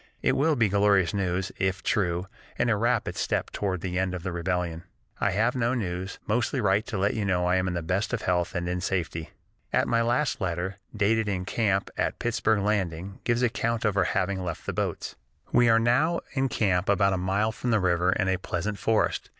It will be glorious news, if true, and a rapid step toward the end of the rebellion.... "I have no news; mostly write to let you know I am in the best of health and in safety." At last my letter, dated in camp at Pittsburg Landing, gives account of our having left the boats: "We are now in camp about a mile from the river in a pleasant forest.